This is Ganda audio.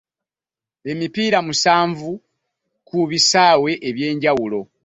Emipiira musanvu ku bisaawe eby'enjawulo.